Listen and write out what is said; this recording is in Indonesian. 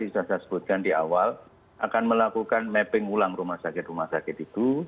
jadi kami tadi sudah saya sebutkan di awal akan melakukan mapping ulang rumah sakit rumah sakit itu